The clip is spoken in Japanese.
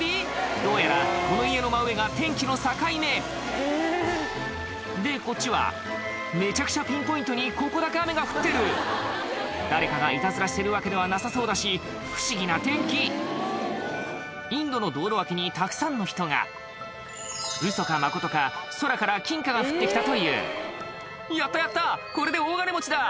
どうやらこの家の真上が天気の境目でこっちはめちゃくちゃピンポイントにここだけ雨が降ってる誰かがいたずらしてるわけではなさそうだし不思議な天気インドの道路脇にたくさんの人がウソかマコトか空から金貨が降って来たという「やったやったこれで大金持ちだ！」